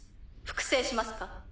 複製しますか？